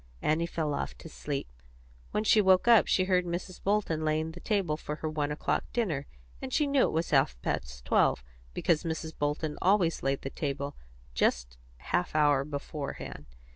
Annie fell off to sleep. When she woke up she heard Mrs. Bolton laying the table for her one o'clock dinner, and she knew it was half past twelve, because Mrs. Bolton always laid the table just half an hour beforehand.